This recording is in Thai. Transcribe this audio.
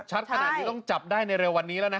มันชัดขนาดนี้ต้องจับได้ในเรียววันนี้ละนะ